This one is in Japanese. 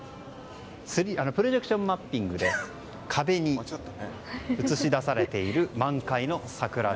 プロジェクションマッピングで壁に映し出されている満開の桜。